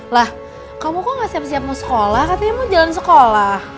lah kamu kok gak siap siap mau sekolah katanya mau jalan sekolah